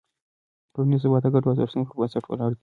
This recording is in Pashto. ټولنیز ثبات د ګډو ارزښتونو پر بنسټ ولاړ دی.